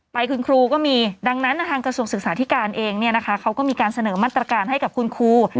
ไปคุณครูก็มีดังนั้นทางกระทรวงศึกษาธิการเองเนี่ยนะคะเขาก็มีการเสนอมาตรการให้กับคุณครู